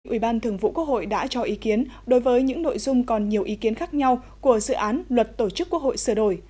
ủy ban thường vụ quốc hội đã cho ý kiến đối với những nội dung còn nhiều ý kiến khác nhau của dự án luật tổ chức quốc hội sửa đổi